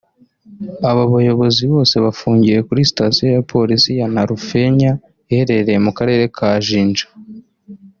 Aba bayobozi bose bafungiwe kuri Sitasiyo ya Polisi ya Nalufenya iherereye mu Karere ka Jinja